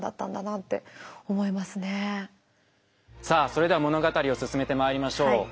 さあそれでは物語を進めてまいりましょう。